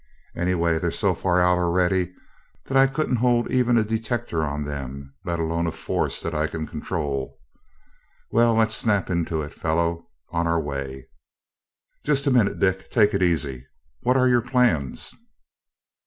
Anyway, they're so far out already that I couldn't hold even a detector on them, let alone a force that I can control. Well, let's snap into it, fellow on our way!" "Just a minute, Dick. Take it easy, what are your plans?"